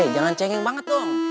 jangan cengeng banget dong